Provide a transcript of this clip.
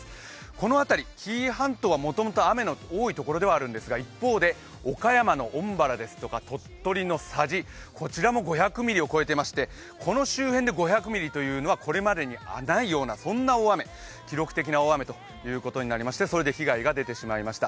この辺り紀伊半島はもともと雨の多いところではあるんですが、一方で岡山の恩原ですとか鳥取の佐治、こちらも５００ミリを超えていましてこの周辺で５００ミリというのはこれまでにないようなそんな大雨記録的な大雨ということになりましてそれで被害が出てしまいました。